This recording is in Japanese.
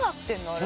あれ。